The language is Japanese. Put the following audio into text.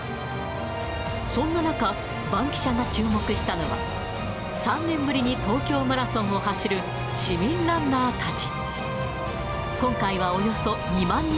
そんな中、バンキシャが注目したのは、３年ぶりに東京マラソンを走る市民ランナーたち。